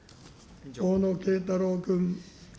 大野敬太郎君。